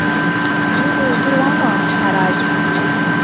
Иҟоу удыруама, Ҳараз?